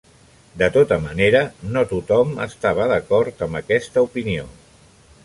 De tota manera, no tothom estava d'acord amb aquesta opinió.